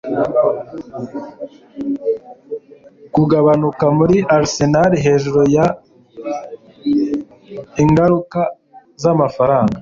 Kugabanuka muri Arsenal hejuru ya ingaruka zamafaranga